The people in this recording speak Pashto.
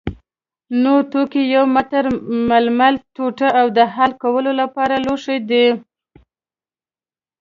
نور توکي یو متر ململ ټوټه او د حل کولو لپاره لوښي دي.